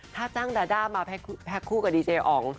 ถ้าจ้างดาด้ามาแพ็คคู่กับดีเจอ๋อง